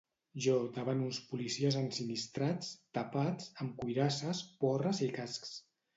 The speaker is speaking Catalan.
Jo davant uns policies ensinistrats, tapats, amb cuirasses, porres i cascs.